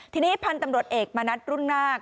ทีนี้พันธุ์ตำรวจเอกมณัฐรุ่นนาค